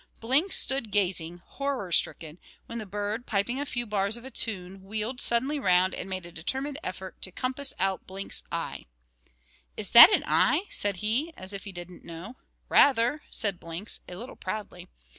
Blinks stood gazing, horror stricken, when the bird, piping a few bars of a tune, wheeled suddenly round, and made a determined effort to compass out Blinks's eye. "Is that an eye?" said he, as if he didn't know. "Rather," said Blinks, a little proudly.